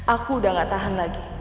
aku udah gak tahan lagi